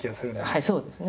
はいそうですね。